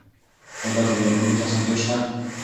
ایا دلته د انټرنیټ اسانتیا شته؟